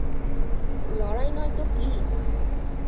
লড়াই নয় তো কী?